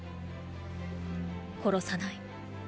殺さない。